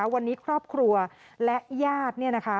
วันนี้ครอบครัวและญาติ